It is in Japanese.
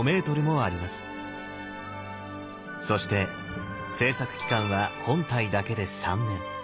そして制作期間は本体だけで３年。